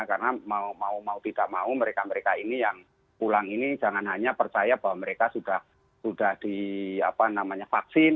karena mau tidak mau mereka mereka ini yang pulang ini jangan hanya percaya bahwa mereka sudah di vaksin